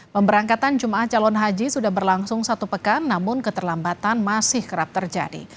pemberangkatan jemaah calon haji sudah berlangsung satu pekan namun keterlambatan masih kerap terjadi